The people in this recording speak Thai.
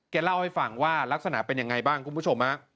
เล่าให้ฟังว่ารักษณะเป็นยังไงบ้างคุณผู้ชม